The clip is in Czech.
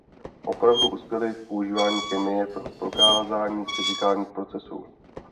Opravdu uspěli v používání chemie pro prokázání fyzikálních procesů.